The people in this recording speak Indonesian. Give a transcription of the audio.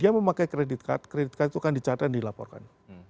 dia memakai kredit card kredit card itu akan dicatat dan dilaporkan